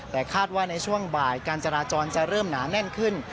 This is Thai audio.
แต่คาดว่าในช่วงบ่ายการจราจรจะเริ่มหนาแน่นขึ้น